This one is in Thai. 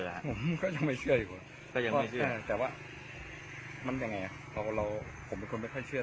งกมันยังไม่เชื่ออีกก็ยังไม่เชื่อ